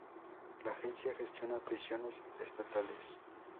La agencia gestiona prisiones estatales.